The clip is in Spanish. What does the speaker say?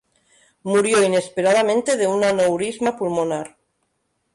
Murió inesperadamente de un aneurisma pulmonar.